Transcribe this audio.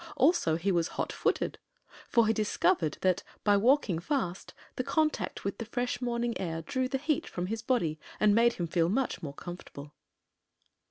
Also he was hot footed, for he discovered that, by walking fast, the contact with the fresh morning air drew the heat from his body and made him feel much more comfortable.